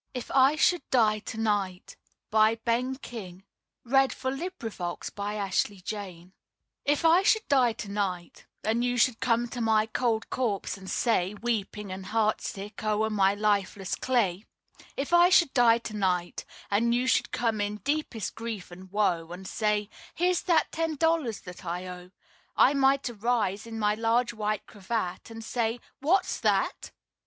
That "Hair Tonic" bottle that stood on the shelf. Ben King If I Should Die IF I should die to night And you should come to my cold corpse and say, Weeping and heartsick o'er my lifeless clay If I should die to night, And you should come in deepest grief and woe And say: "Here's that ten dollars that I owe," I might arise in my large white cravat And say, "What's that?"